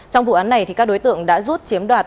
trong vụ án này các đối tượng đã rút chiếm đoạt